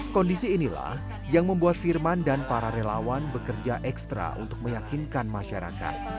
kondisi inilah yang membuat firman dan para relawan bekerja ekstra untuk meyakinkan masyarakat